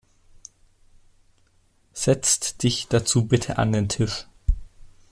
Setzt dich dazu bitte an den Tisch.